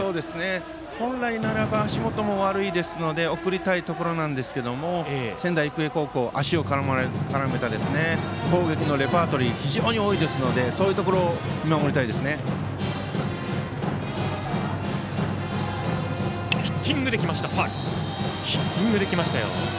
本来ならば足元も悪いので送りたいところですけれども仙台育英高校、足を絡めた攻撃のレパートリーが非常に多いですからそういうところをヒッティングで来ましたよ。